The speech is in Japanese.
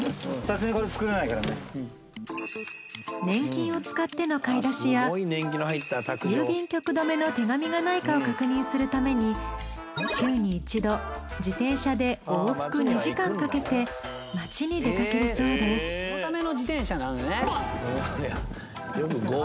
年金を使っての買い出しや郵便局留めの手紙がないかを確認するために週に一度自転車で往復２時間かけて街に出かけるそうです。